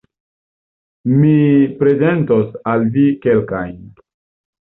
Mi prezentos al vi kelkajn.